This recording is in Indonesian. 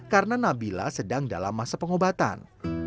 karena nabila sedang dalam masa pengobatan